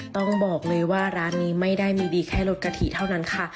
ต้องบอกเลยว่าร้านนี้ไม่ได้มีดีแค่รสกะทิเท่านั้นค่ะ